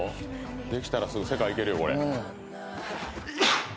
できたらすぐ世界いけるよ」